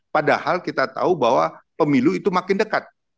padahal kita tahu bahwa pemilu itu makin dekat